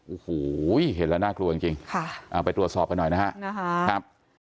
โอ้โหเห็นแล้วน่ากลัวจริงไปตรวจสอบกันหน่อยนะครับ